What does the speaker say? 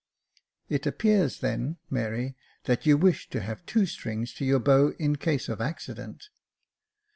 " It appears then, Mary, that you wish to have two strings to your bow in case of accident."